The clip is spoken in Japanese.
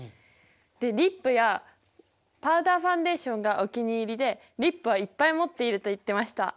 でリップやパウダーファンデーションがお気に入りでリップはいっぱい持っていると言ってました。